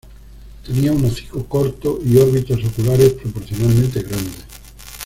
Tenía un hocico corto y órbitas oculares proporcionalmente grandes.